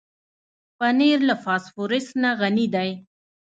پنېر له فاسفورس نه غني دی.